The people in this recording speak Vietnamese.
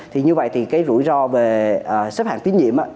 thì như vậy thì rủi ro về xếp hàng tiến nhiệm